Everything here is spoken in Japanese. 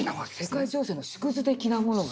世界情勢の縮図的なものが。